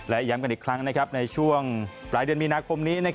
และย้ำกันอีกครั้งในช่วงปลายเดือนมีนาคมนี้